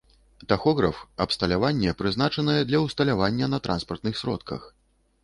Тахограф — абсталяванне, прызначанае для ўсталявання на транспартных сродках